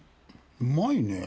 うまいねぇ。